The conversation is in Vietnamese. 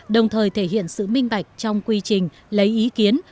đồng thời thể hiện sự minh bạch trong quy trình lấy ý kiến